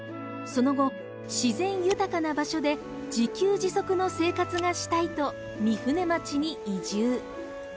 その後自然豊かな場所で自給自足の生活がしたいと御船町に移住。